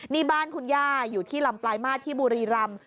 นี่บ้านคุณย่าอยู่ที่ลำปลายมาสที่บุรีรำ